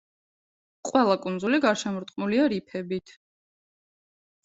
ყველა კუნძული გარშემორტყმულია რიფებით.